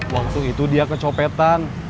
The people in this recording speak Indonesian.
waktu itu dia kecopetan